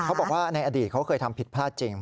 เขาบอกว่าในอดีตเขาเคยทำผิดพลาดจริง